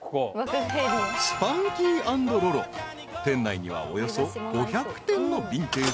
［店内にはおよそ５００点のビンテージがずらり］